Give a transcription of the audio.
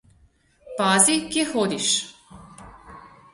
Pazi, kje hodiš!